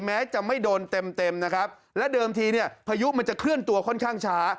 แม้จะไม่โดนเต็มเต็มนะครับและเดิมทีเนี่ยพายุมันจะเคลื่อนตัวค่อนข้างช้า